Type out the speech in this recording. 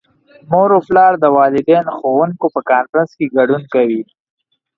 مور او پلار د والدین - ښوونکو په کنفرانس کې ګډون کوي.